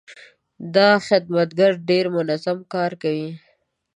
دا خدمتګر ډېر منظم کار کوي.